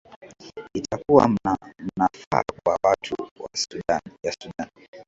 itakuwa manufaa kwa watu ya sudan